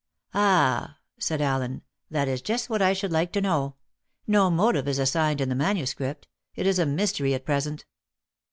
"Ah," said Allen, "that is just what I should like to know. No motive is assigned in the manuscript. It is a mystery at present."